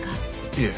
いえ。